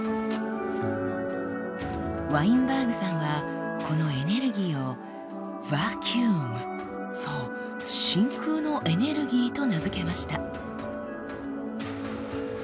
ワインバーグさんはこのエネルギーを「ｖａｃｕｕｍ」そう「真空のエネルギー」と名付けました。